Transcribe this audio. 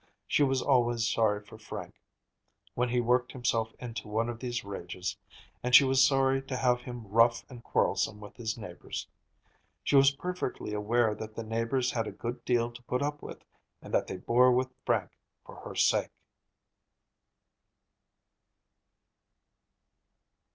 She was always sorry for Frank when he worked himself into one of these rages, and she was sorry to have him rough and quarrelsome with his neighbors. She was perfectly aware that the neighbors had a good deal to put up with, and that they bore with Frank for her sake.